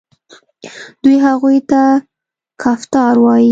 دوی هغوی ته کفتار وايي.